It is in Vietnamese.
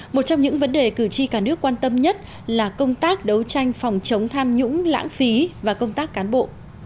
một trong những vấn đề cử tri cả nước quan tâm nhất là công tác đấu tranh phòng chống tham nhũng lãng phí và công tác cán bộ